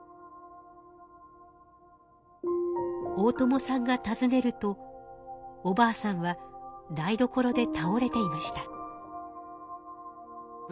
大友さんがたずねるとおばあさんは台所でたおれていました。